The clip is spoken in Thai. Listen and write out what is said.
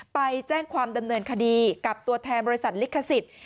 ไปแจ้งความดำเนินคดีกับตัวแทนบริษัทลิขสิทธิ์